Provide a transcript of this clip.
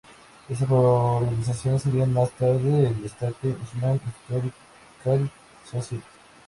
Esa organización sería más tarde el Staten Island Historical Society.